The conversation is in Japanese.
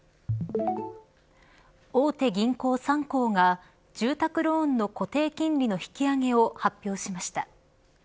大手銀行３行が住宅ローンの固定金利の引き上げを発表しました。